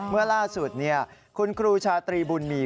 เมื่อล่าสุดคุณครูชาตรีบุญมี